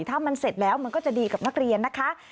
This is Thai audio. ถ้ามันเสร็จแล้วมันก็จะดีกับนักเรียนนะคะ